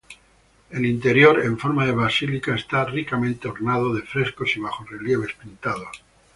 El interior, en forma de basílica, está ricamente ornado de frescos y bajorrelieves pintados.